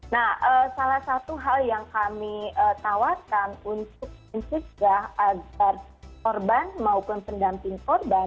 nah salah satu hal yang kami tawarkan untuk mencegah agar korban maupun pendamping korban